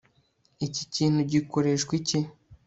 Iki kintu gikoreshwa iki